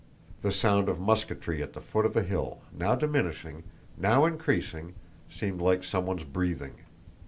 The sound of musketry at the foot of the hill, now diminishing, now increasing, seemed like someone's breathing.